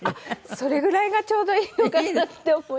それぐらいがちょうどいいのかなって思っちゃって。